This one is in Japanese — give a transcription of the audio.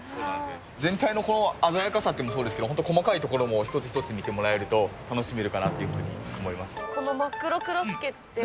全体の鮮やかさというのもそうですけど、本当細かい所も一つ一つ見てもらえると、楽しめるかなというふうこのまっくろくろすけって、